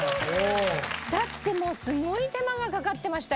だってもうすごい手間がかかってましたよ。